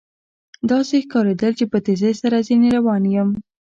داسې ښکارېدل چې په تېزۍ سره ځنې روان یم.